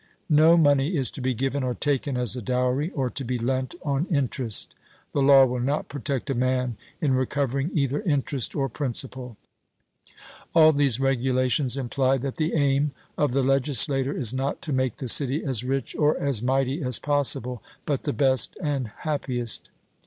No money is to be given or taken as a dowry, or to be lent on interest. The law will not protect a man in recovering either interest or principal. All these regulations imply that the aim of the legislator is not to make the city as rich or as mighty as possible, but the best and happiest.